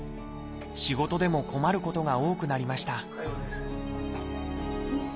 仕事でも困ることが多くなりました